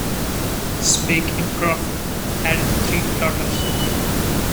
Speck and Krofft had three daughters.